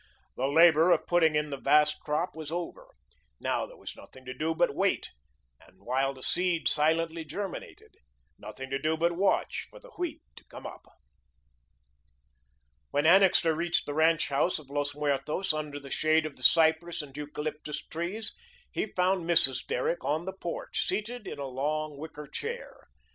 The labour of putting in the vast crop was over. Now there was nothing to do but wait, while the seed silently germinated; nothing to do but watch for the wheat to come up. When Annixter reached the ranch house of Los Muertos, under the shade of the cypress and eucalyptus trees, he found Mrs. Derrick on the porch, seated in a long wicker chair.